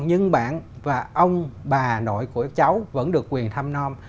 nhưng bạn và ông bà nội của cháu vẫn được quyền thăm non